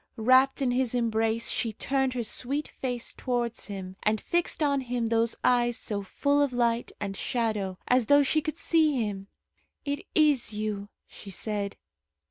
Wrapt in his embrace, she turned her sweet face towards him, and fixed on him those eyes so full of light and shadow, as though she could see him. "It is you," she said.